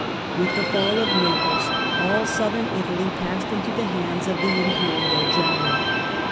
With the fall of Naples all Southern Italy passed into the hands of the Imperial general.